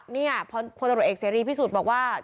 นี่คนตำรวจเอกเสร็จพิสูจน์บอกว่า